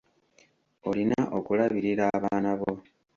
Olina okulabirira abaana bo.